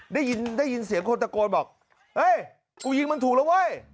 ได้ยินเสียงคนตะโกนบอกเฮ้ยกูยิงมันถูกแล้วเว้ย